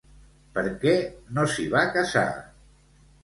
Per què no s'hi va casar?